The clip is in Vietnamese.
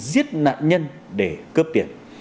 giết nạn nhân để cướp tiền